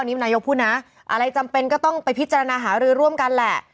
นี่นายกพูดนะอะไรจำเป็นก็ต้องไปพิจารณาหารือร่วมกันแหละ